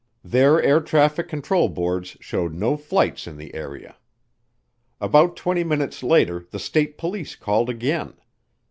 Their air Traffic control board showed no flights in the area. About twenty minutes later the state police called again.